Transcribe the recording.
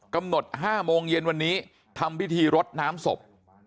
กำหนด๕โมงเย็นวันนี้ทำพิธีรดน้ำศพ